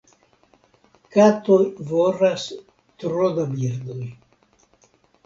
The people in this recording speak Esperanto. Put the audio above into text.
Katoj voras tro da birdoj.